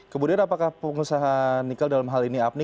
kemudian apakah pengusaha nikel dalam hal ini apni